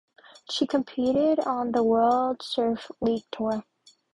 She competed on the World Surf League Tour.